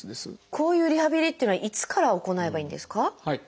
こういうリハビリっていうのはいつから行えばいいんですか？